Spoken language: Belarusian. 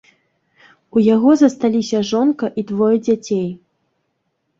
У яго засталіся жонка і двое дзяцей.